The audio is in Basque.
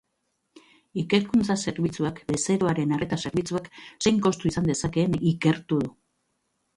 Ikerkuntza zerbitzuak bezeroaren arreta zerbitzuak zein kostu izan dezakeen ikertu du.